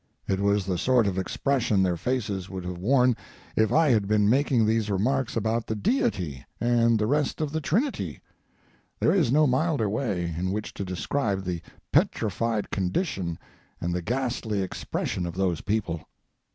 It was the sort of expression their faces would have worn if I had been making these remarks about the Deity and the rest of the Trinity; there is no milder way, in which to describe the petrified condition and the ghastly expression of those people.